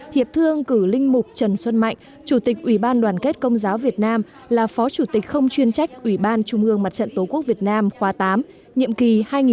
hiệp thương cử linh mục trần xuân mạnh chủ tịch ubnd công giáo việt nam là phó chủ tịch không chuyên trách ubnd mặt trận tổ quốc việt nam khóa tám nhiệm kỳ hai nghìn một mươi bốn hai nghìn một mươi chín